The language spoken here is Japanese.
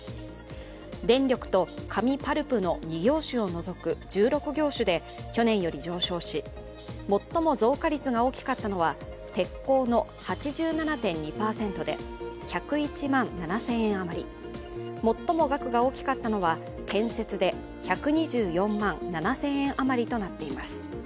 電力と紙・パルプの２業種を除く１６業種で去年より上昇し最も増加率が大きかったのは鉄鋼の８７．２％で１０１万７０００円余り最も額が大きかったのは建設で１２４万７０００円余りとなっています。